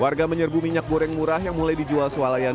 warga menyerbu minyak goreng murah yang mulai dijual sualayan